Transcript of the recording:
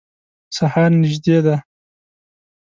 سهار نیژدي دی